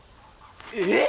えっ！？